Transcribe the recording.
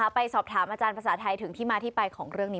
ไปสอบถามอาจารย์ภาษาไทยถึงที่มาที่ไปของเรื่องนี้